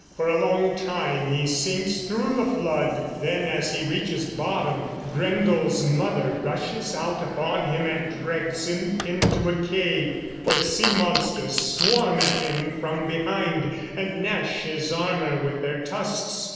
For a long time he sinks through the flood; then, as he reaches bottom, Grendel's mother rushes out upon him and drags him into a cave, where sea monsters swarm at him from behind and gnash his armor with their tusks.